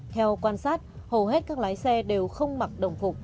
theo quan sát hầu hết các lái xe đều không mặc đồng phục